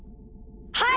はい！